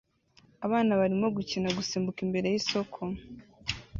Abana barimo gukina gusimbuka imbere yisoko